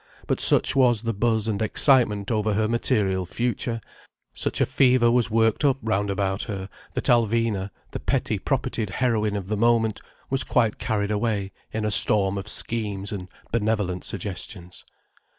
But such was the buzz and excitement over her material future, such a fever was worked up round about her that Alvina, the petty propertied heroine of the moment, was quite carried away in a storm of schemes and benevolent suggestions.